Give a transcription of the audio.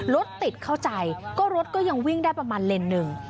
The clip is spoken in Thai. รถติดเข้าใจก็รถก็ยังวิ่งได้ประมาณเลนหนึ่ง